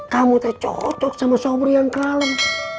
kamu terlihat cocok sama sobri yang kalem